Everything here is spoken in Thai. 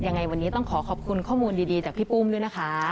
ยังไงวันนี้ต้องขอขอบคุณข้อมูลดีจากพี่ปุ้มด้วยนะคะ